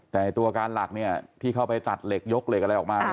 แต่ตัวการหลักที่เข้าไปตัดเหล็กยกเหล็กอะไรออกมา